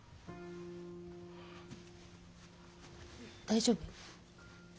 大丈夫？